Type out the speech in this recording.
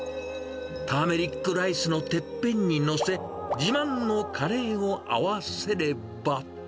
ターメリックライスのてっぺんに載せ、自慢のカレーを合わせれば。